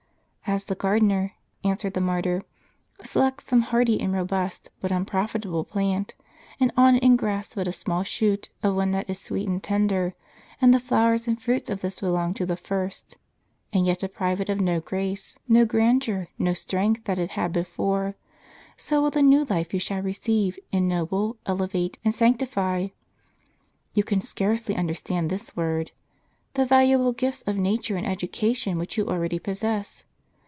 "As the gardener," answered the martyr, "selects some hardy and robust, but unprofitable plant, and on it engrafts but a small shoot of one that is sweet and tender, and the flowers and fruits of this belong to the first, and yet deprive it of no grace, no grandeur, no strength that it had before, so will the new life you shall receive ennoble, elevate, and sanc tify (you can scarcely understand this word), the valuable gifts of nature and education which you already possess.